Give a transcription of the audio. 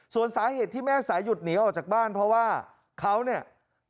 ส่วนสาเหตุที่แม่สายุดหนีออกจากบ้านเพราะว่าเขาเนี่ย